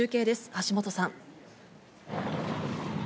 橋本さん。